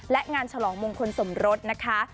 และงานฉลองมงคลสมรสนะคะ